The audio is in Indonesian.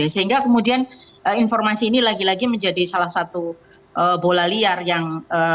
sehingga kemudian informasi ini lagi lagi menjadi salah satu bola liar yang